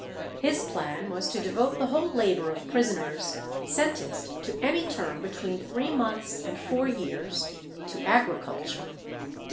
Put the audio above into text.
His plan was to devote the whole labour of prisoners sentenced to any term between three months and four years to agriculture.